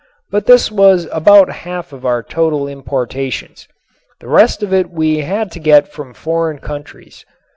But this was about half our total importations; the rest of it we had to get from foreign countries.